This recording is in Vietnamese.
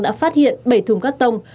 đã phát hiện bảy thùng carton